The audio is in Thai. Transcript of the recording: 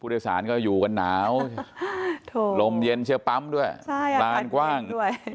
ผู้โดยศาลก็อยู่กันหนาวลมเย็นเชื้อปั๊มด้วยร้านกว้าง